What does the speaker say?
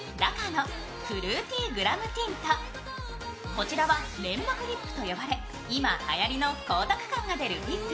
こちらは粘膜リップと呼ばれ今はやりの光沢感が出るリップ。